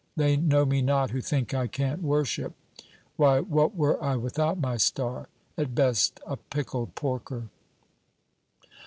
They know me not, who think I can't worship. Why, what were I without my star? At best a pickled porker.'